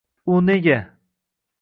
U nega